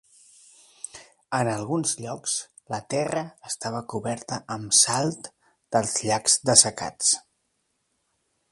En alguns llocs, la terra estava coberta amb salt dels llacs dessecats.